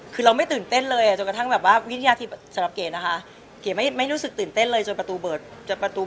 คือเราไม่ตื่นเต้นเลยวินยาธิสำหรับเกสจนไปตลอดประตู